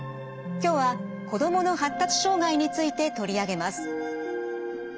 今日は子どもの発達障害について取り上げます。